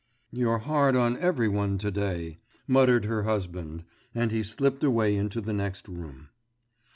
'You're hard on every one to day,' muttered her husband, and he slipped away into the next room.